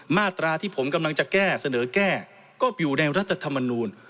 มาตราที่ผมกำลังจะแก้เสนอแก้ก็อยู่ในรัฐธรรมนูล